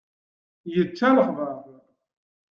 Yečča lexber.